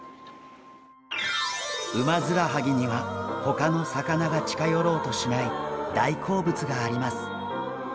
ウマヅラハギには他の魚が近寄ろうとしない大好物があります。